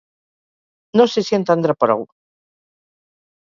No sé si en tendrà prou.